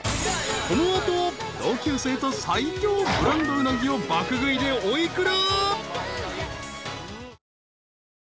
［この後同級生と最強ブランドうなぎを爆食いでお幾ら？］